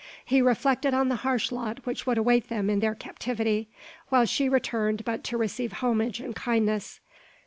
He reflected on the harsh lot which would await them in their captivity, while she returned but to receive homage and kindness.